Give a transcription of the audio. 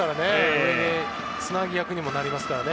上へのつなぎ役にもなりますからね。